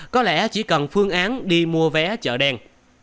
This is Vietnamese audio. có lẽ chỉ cần phương án đi mua vé chợ đen